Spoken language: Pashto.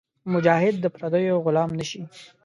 مجاهد د پردیو غلام نهشي.